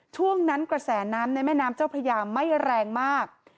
ช่วงนั้นกระแสน้ำในแม่น้ำเจ้าพระยาไม่แรงมาก